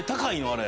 あれ。